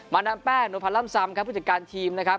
ดามแป้งนุพันธ์ล่ำซำครับผู้จัดการทีมนะครับ